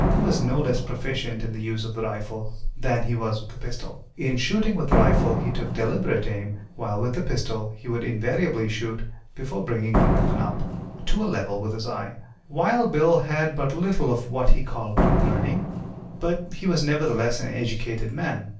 He was no less proficient in the use of the rifle than he was with a pistol. In shooting with a rifle he took deliberate aim, while with a pistol he would invariably shoot before bringing the weapon up to a level with his eye. Wild Bill had but little of what he called "book learning," but he was, nevertheless, an educated man.